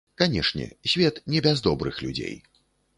Канешне, свет не без добрых людзей.